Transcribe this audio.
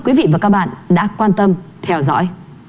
quý vị và các bạn đã quan tâm theo dõi